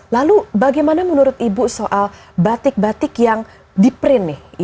lalu bagaimana menurut ibu soal batik batik yang di print nih